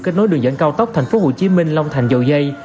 kết nối đường dẫn cao tốc tp hcm long thành dầu dây